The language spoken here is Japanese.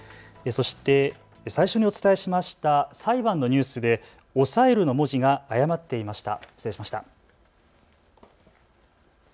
そして最初にお伝えしましたおさえるの文字が誤っていました。